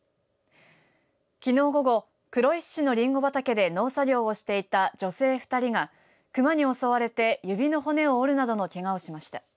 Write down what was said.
きのう午後黒石市のリンゴ畑で農作業をしていた女性２人が熊に襲われて指の骨を折るなどのけがをしました。